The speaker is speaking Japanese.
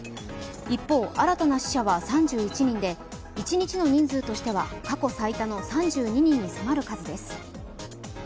一方、新たな死者は３１人で１日の人数としては過去最多の３２人に迫る数です。